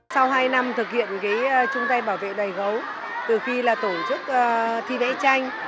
sau hai năm thực hiện chung tay bảo vệ đầy gấu từ khi tổ chức thi vẽ tranh